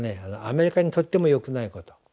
アメリカにとってもよくないこと。